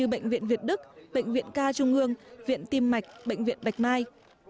bệnh viện việt đức bệnh viện ca trung ương viện tim mạch bệnh viện bạch mai